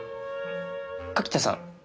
柿田さん